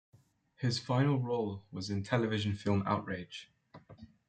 His final role was in the television film Outrage!